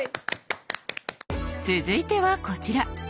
続いてはこちら。